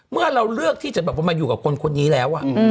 เมื่อเราเลือกที่จะแบบว่ามาอยู่กับคนนี้แล้ว